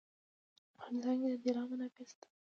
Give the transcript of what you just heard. په افغانستان کې د طلا منابع شته.